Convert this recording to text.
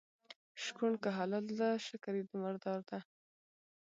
شکوڼ که حلال ده شکل یي د مردار ده.